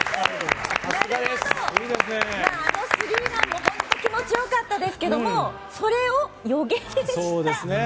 あのスリーランも本当に気持ち良かったですがそれを予言した。